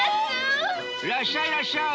らっしゃいらっしゃい！